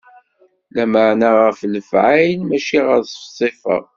Lmeɛna ɣer lefɛayel, mačči ɣer ṣṣifa.